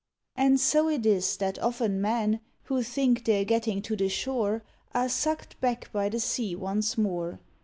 And so it is, that often men Who think they're getting to the shore, Are sucked back by the sea once more.